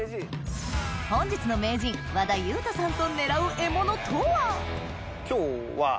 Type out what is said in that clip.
本日の名人和田雄太さんと狙う獲物とは？